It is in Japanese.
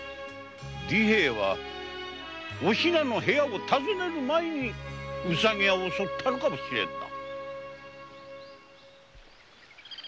利平はお比奈の部屋を訪ねる前に「うさぎや」を襲ったのかもしれんな。